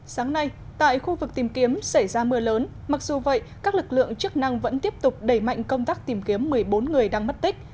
sáng nay tại khu vực tìm kiếm xảy ra mưa lớn mặc dù vậy các lực lượng chức năng vẫn tiếp tục đẩy mạnh công tác tìm kiếm một mươi bốn người đang mất tích